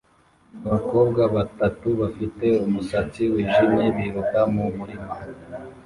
Abakobwa batatu bafite umusatsi wijimye biruka mu murima